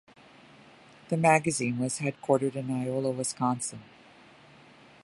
The magazine was headquartered in Iola, Wisconsin.